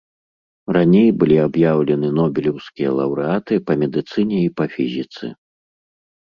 Раней былі аб'яўлены нобелеўскія лаўрэаты па медыцыне і па фізіцы.